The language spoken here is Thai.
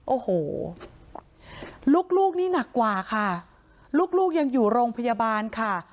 โอ้โหลูกลูกนี่หนักกว่าค่ะลูกลูกยังอยู่โรงพยาบาลค่ะ